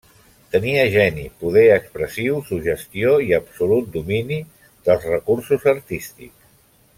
Tenia geni, poder expressiu, suggestió i absolut domini dels recursos artístics.